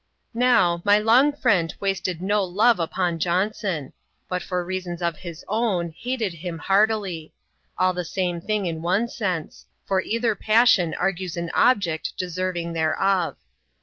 Now, my long friend wasted no love upon Johnson ; but, for reasons of his own, hated him heartily : all the same thing in one sense ; for either passion argues an object deserving thereof.